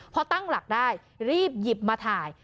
พอตั้งหลักได้รีบหยิบมาถ่าย